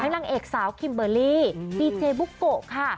นางเอกสาวคิมเบอร์รี่ดีเจบุโกะค่ะ